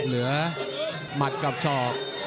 เหลือมัดกับศอก